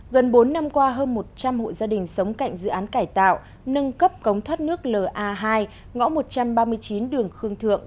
gần bốn năm qua hơn một trăm linh hộ gia đình sống cạnh dự án cải tạo nâng cấp cống thoát nước la hai ngõ một trăm ba mươi chín đường khương thượng